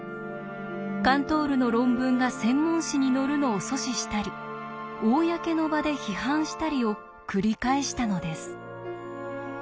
カントールの論文が専門誌に載るのを阻止したり公の場で批判したりを繰り返したのです。